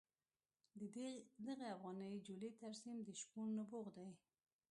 د دغې افغاني جولې ترسیم د شپون نبوغ دی.